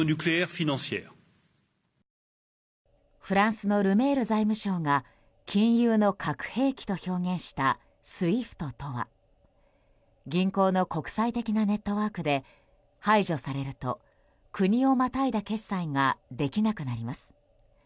フランスのルメール財務相が金融の核兵器と表現したＳＷＩＦＴとは銀行の国際的なネットワークで排除されると国をまたいだ決済ができなくなります。